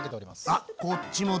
あっこっちもだ。